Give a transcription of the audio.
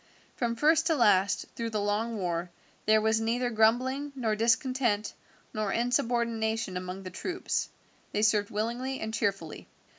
From first to last, through the long war, there was neither grumbling, nor discontent, nor insubordination among the troops. They served willingly and cheerfully.